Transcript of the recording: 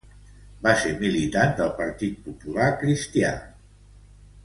Va ser militant del Partit Popular Cristià.